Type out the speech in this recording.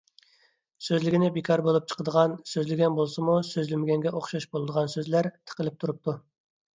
سۆزلىگىنى بىكار بولۇپ چىقىدىغان، سۆزلىگەن بولسىمۇ سۆزلىمىگەنگە ئوخشاش بولىدىغان سۆزلەر تىقىلىپ تۇرۇپتۇ.